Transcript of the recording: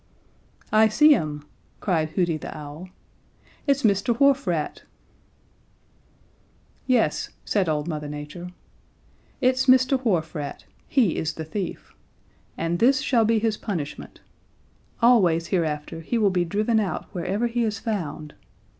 "'I see him!' cried Hooty the Owl. 'It's Mr. Wharf Rat!' "'Yes,' said old Mother Nature, 'it's Mr. Wharf Rat he is the thief. And this shall be his punishment: Always hereafter he will be driven out wherever he is found.